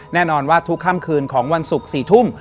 แน่นอนว่าทุกค่ำคืนของวันศุกร์๔ทุ่ม